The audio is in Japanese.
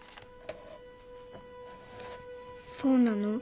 そうなの？